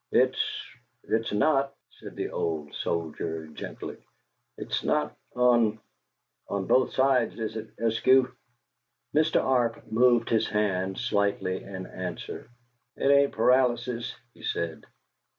"It's it's not," said the old soldier, gently "it's not on on both sides, is it, Eskew?" Mr. Arp moved his hand slightly in answer. "It ain't paralysis," he said.